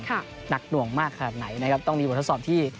หนักหน่วงมากขนาดไหนนะครับ